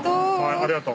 ありがとう。